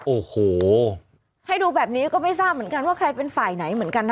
โอ้โหให้ดูแบบนี้ก็ไม่ทราบเหมือนกันว่าใครเป็นฝ่ายไหนเหมือนกันนะ